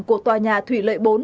của tòa nhà thủy lợi bốn